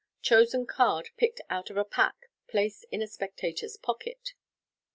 Chosen card picked ont of pack placed in a spectator's pocket {page 106).